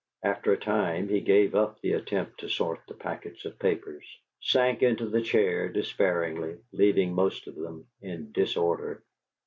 After a time he gave up the attempt to sort the packets of papers; sank into a chair despairingly, leaving most of them in disorder.